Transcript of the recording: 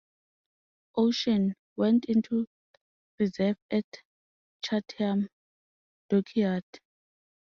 "Ocean" went into reserve at Chatham Dockyard.